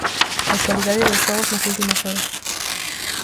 Actualidade dos xogos nas últimas horas.